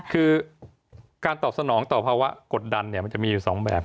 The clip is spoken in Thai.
คือการตอบสนองต่อภาวะกดดันมันจะมีอยู่๒แบบ